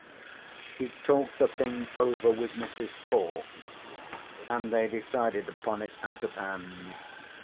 He talked the thing over with Mrs. Cork, and they decided upon it out of hand.